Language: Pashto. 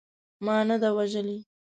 ما نه ده وژلې.